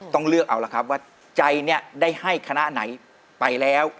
ต้องเลือกเอาล่ะครับว่าใจเนี่ยได้ให้คณะไหนไปแล้ว